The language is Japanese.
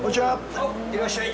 おっ、いらっしゃい！